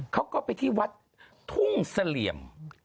เขาก็ไปที่วัดทุ่งเสลี่ยม